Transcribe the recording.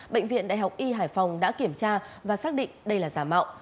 bệnh viện đại học y hải phòng đã kiểm tra và xác định đây là giả mạo